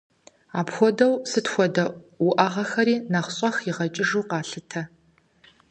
Апхуэдэу сыт хуэдэ уӏэгъэхэри нэхъ щӏэх игъэкӏыжу къалъытэ.